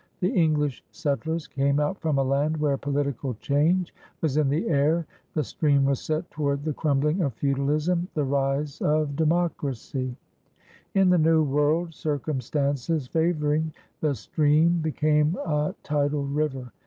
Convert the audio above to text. The English settlers came out from a land where political change was in the air. The stream was set toward the crumbling of feudalism, the rise of demoa*acy. In the New World, circumstances favoring, the stream became a tidal river.